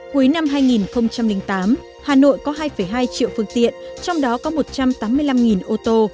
cuối năm hai nghìn tám hà nội có hai hai triệu phương tiện trong đó có một trăm tám mươi năm ô tô